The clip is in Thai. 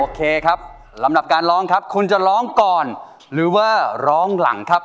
ครับลำดับการร้องครับคุณจะร้องก่อนหรือว่าร้องหลังครับ